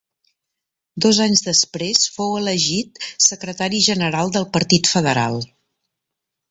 Dos anys després fou elegit secretari general del partit federal.